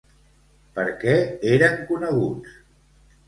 Per què eren coneguts?